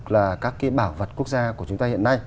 là các cái bảo vật quốc gia của chúng ta hiện nay